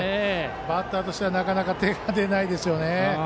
バッターとしてはなかなか手が出ないでしょうね。